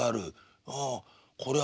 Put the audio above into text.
「ああこれは何だ？